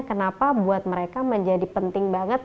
kenapa buat mereka menjadi penting banget